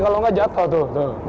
kalau nggak jatuh tuh